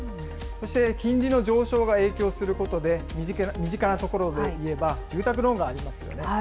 そして金利の上昇が影響することで、身近なところでいえば、住宅ローンがありますよね。